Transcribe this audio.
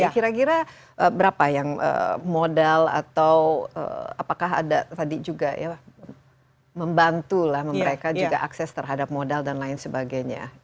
kira kira berapa yang modal atau apakah ada tadi juga ya membantu lah mereka juga akses terhadap modal dan lain sebagainya